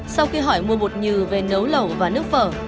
sau khi hỏi mua bột nhừ về nấu lẩu và nước phở